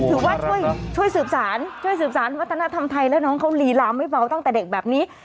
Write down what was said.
ถือว่าช่วยสืบสารช่วยสืบสารวัฒนธรรมไทยแล้วน้องเขาลีลาไม่เบาตั้งแต่เด็กแบบนี้